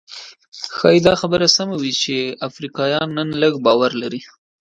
ښايي دا خبره سمه وي چې افریقایان نن لږ باور لري.